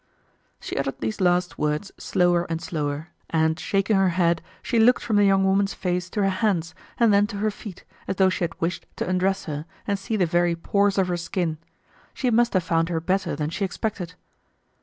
She uttered these last words slower and slower, and shaking her head, she looked from the young woman's face to her hands, and then to her feet as though she had wished to undress her and see the very pores of her skin. She must have found her better than she expected.